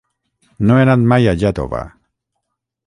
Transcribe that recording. No he anat mai a Iàtova.